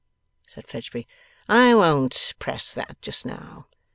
said Fledgeby. 'I won't press that just now.